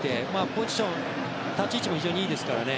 ポジション、立ち位置も非常にいいですからね。